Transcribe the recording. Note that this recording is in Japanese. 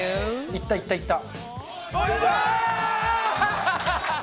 いったいったいった！